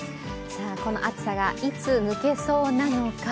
この暑さがいつ、抜けそうなのか。